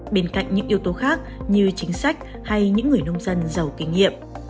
bên cạnh những yếu tố khác như chính sách hay những người nông dân giàu kinh nghiệm